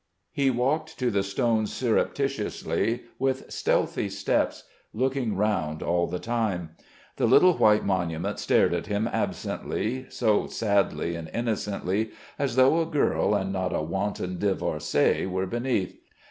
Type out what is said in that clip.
He walked to the stone surreptitiously, with stealthy steps, looking round all the time. The little white monument stared at him absently, so sadly and innocently, as though a girl and not a wanton divorcée were beneath.